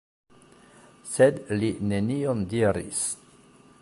Sed li nenion diris.